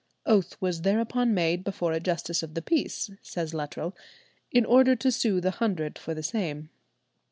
"Oath was thereupon made before a justice of the peace," says Luttrell, in "order to sue the Hundred for the same."